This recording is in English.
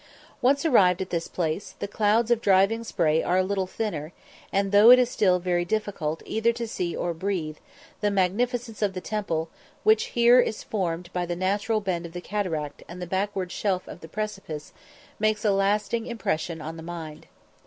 Once arrived at this place, the clouds of driving spray are a little thinner, and, though it is still very difficult either to see or breathe, the magnificence of the temple, which is here formed by the natural bend of the cataract and the backward shelve of the precipice, makes a lasting impression on the mind.